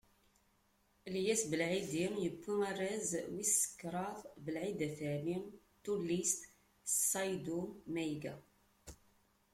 Lyes Belɛidi yewwi arraz wis kraḍ Belɛid At Ɛli n tullist Ṣayddu Mayga.